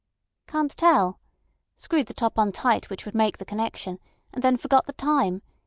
"Can't tell. Screwed the top on tight, which would make the connection, and then forgot the time.